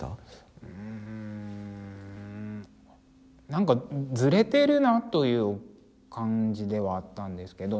なんかズレてるなという感じではあったんですけど。